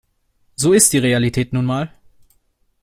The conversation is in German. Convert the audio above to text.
So ist die Realität nun mal.